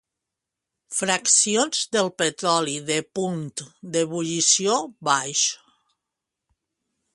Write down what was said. Fraccions del petroli de punt d'ebullició baix.